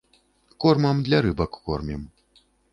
Кормам для рыбак кормім.